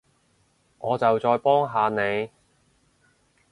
我就再幫下你